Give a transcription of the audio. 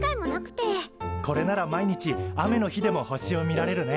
これなら毎日雨の日でも星を見られるね。